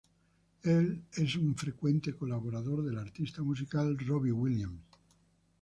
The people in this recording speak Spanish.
Él es un frecuente colaborador del artista musical Robbie Williams.